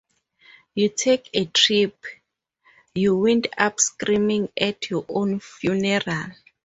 You take a trip, you wind up screaming at your own funeral.